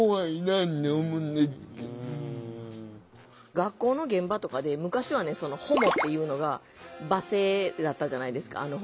学校の現場とかで昔は「ホモ」って言うのが罵声だったじゃないですか。